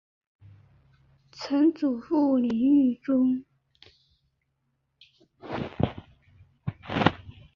曾祖父李允中。